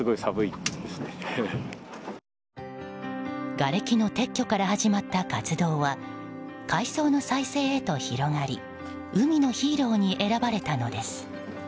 がれきの撤去から始まった活動は海藻の再生へと広がり海のヒーローに選ばれたのです。